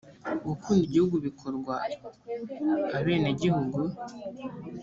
gukunda igihugu bikorwa abenegihugu .